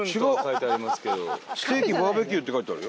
「ステーキバーベキュー」って書いてあるよ。